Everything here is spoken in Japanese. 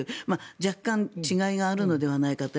若干違いがあるのではないかと。